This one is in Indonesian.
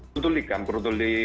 berduly kan berduly